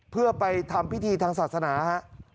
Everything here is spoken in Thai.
เพื่อไปทำพิธีทางศาสนาฮะ